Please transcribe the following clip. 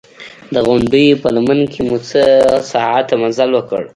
د غونډیو په لمن کې مو څو ساعته مزل وکړ.